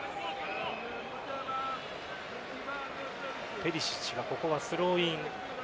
ペリシッチが、ここはスローイン。